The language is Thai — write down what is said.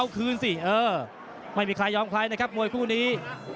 เอาคืนสิเออไม่มีใครยอมใครนะครับมวยคู่นี้